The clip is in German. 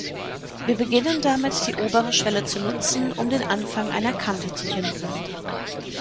Wir beginnen damit, die obere Schwelle zu nutzen, um den Anfang einer Kante zu finden.